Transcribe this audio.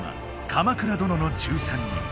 「鎌倉殿の１３人」。